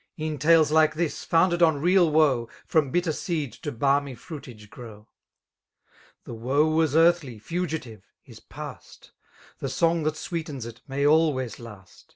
E'en tales like tibis^ founded ta real woe. From bitter seed to balmy fruitage grow 1 The woe was ear&ly, fugitive, is past; The song that sweetens it, may alwiya last.